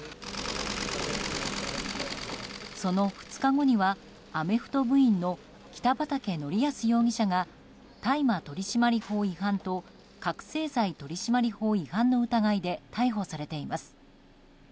その２日後には、アメフト部員の北畠成文容疑者が大麻取締法違反と覚醒剤取締法違反の疑いで逮捕されています。